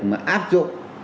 mà áp dụng